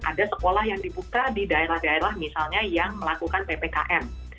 ada sekolah yang dibuka di daerah daerah misalnya yang melakukan ppkm